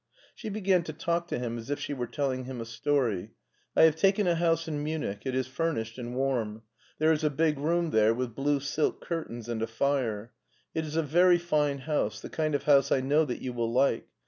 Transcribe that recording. She began to talk to him as if she were telling him a story. " I have taken a house in Munich. It is furnished and warm. There is a big room there with blue silk curtains and a fire. It is a very fine house, the kind of house I know that you will like.